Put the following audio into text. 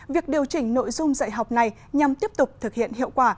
việc điều chỉnh nội dung dạy học này nhằm tiếp tục thực hiện hiệu quả